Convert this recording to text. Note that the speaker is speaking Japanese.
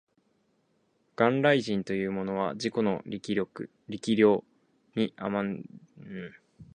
元来人間というものは自己の力量に慢じてみんな増長している